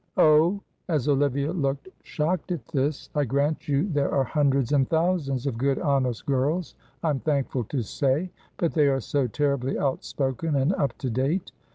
Oh," as Olivia looked shocked at this, "I grant you there are hundreds and thousands of good, honest girls, I'm thankful to say, but they are so terribly outspoken and up to date.